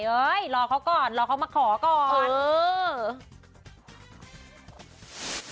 เฮ้ยรอเขาก่อนรอเขามาขอก่อน